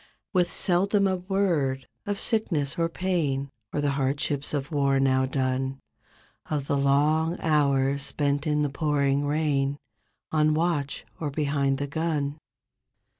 With seldom a word of sickness or pain Or the hardships of war, now done; Of the long hours spent in the pouring rain On watch or behind the gun.